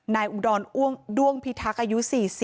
อุดรอด้วงพิทักษ์อายุ๔๐